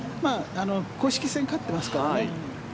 公式戦、勝っていますからね。